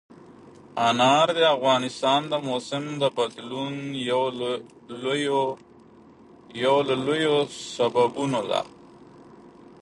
انار د افغانستان د موسم د بدلون یو له لویو سببونو ده.